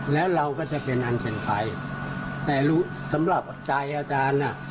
แล้วเราก็จะเป็นอันเป็นไปแต่สำหรับใจอาจารย์น่ะ